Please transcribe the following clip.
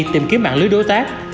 tìm kiếm mạng lưới đối tác